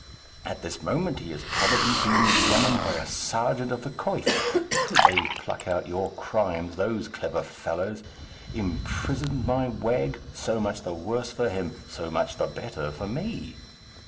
At this moment he is probably being examined by a serjeant of the coif. They pluck out your crimes, those clever fellows! Imprisoned, my wag! So much the worse for him, so much the better for me!